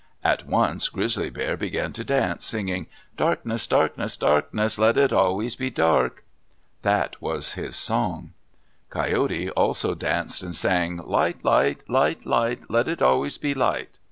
At once Grizzly Bear began to dance, singing, Darkness! darkness! darkness! Let it always be dark! That was his song. Coyote also danced and sang, Light! light! light! light! Let it always be light!